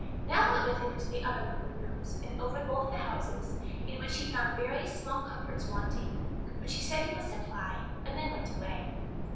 Nell went with him into the other little rooms, and over both the houses, in which he found various small comforts wanting, which he said he would supply, and then went away.